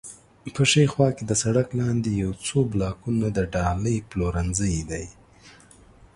په ښي خوا کې د سړک لاندې یو څو بلاکونه د ډالۍ پلورنځی دی.